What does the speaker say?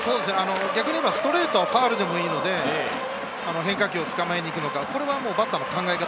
逆に言えばストレートはファウルでもいいので、変化球を捕まえに行くのか、これはバッターの考え方